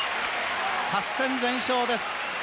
８戦全勝です。